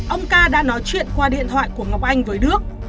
ông ca đã nói chuyện qua điện thoại của ngọc anh với đức